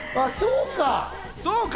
そうか。